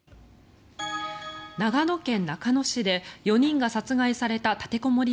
長野県中野市で４人が殺害された立てこもり